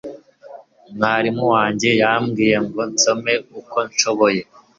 mwarimu wanjye yambwiye ngo nsome uko nshoboye